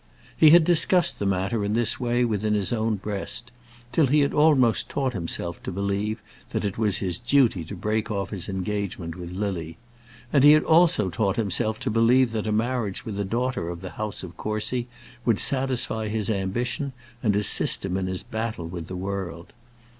He had discussed the matter in this way within his own breast, till he had almost taught himself to believe that it was his duty to break off his engagement with Lily; and he had also almost taught himself to believe that a marriage with a daughter of the house of Courcy would satisfy his ambition and assist him in his battle with the world.